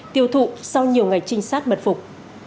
tiêu thụ sau nhiều ngày trinh sát bật phục